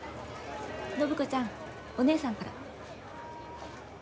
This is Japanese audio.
暢子ちゃんお姉さんから。